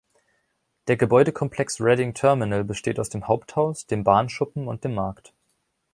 Der Gebäudekomplex Reading Terminal besteht aus dem Haupthaus, dem Bahnschuppen und dem Markt.